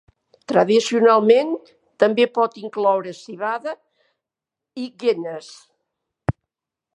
Tradicionalment, també pot incloure civada i Guinness.